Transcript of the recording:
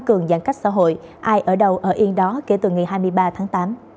cường giãn cách xã hội ai ở đầu ở yên đó kể từ ngày hai mươi ba tháng tám